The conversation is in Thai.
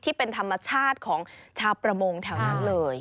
ที่เป็นธรรมชาติของชาวประมงแถวนั้นเลย